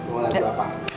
mau lagi apa